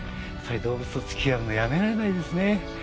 動物と付き合うのやめられないですね。